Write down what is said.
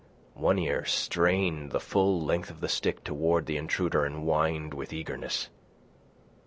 One Ear strained the full length of the stick toward the intruder and whined with eagerness.